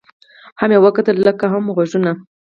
هم یې وکتل لکۍ او هم غوږونه